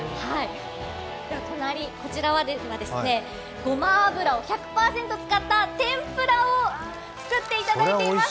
隣、こちらではごま油を１００％使った天ぷらを作っていただいています。